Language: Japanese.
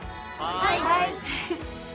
はい！